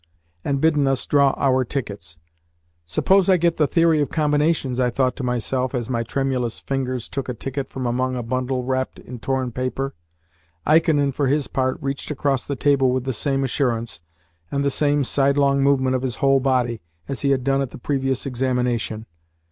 and bidden us draw our tickets. "Suppose I get the Theory of Combinations?" I thought to myself as my tremulous fingers took a ticket from among a bundle wrapped in torn paper. Ikonin, for his part, reached across the table with the same assurance, and the same sidelong movement of his whole body, as he had done at the previous examination.